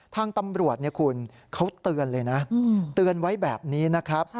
ทางตำรวจเนี่ยคุณเขาเตือนเลยนะเตือนไว้แบบนี้นะครับ